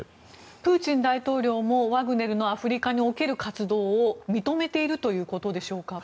プーチン大統領もワグネルのアフリカにおける活動を認めているということでしょうか。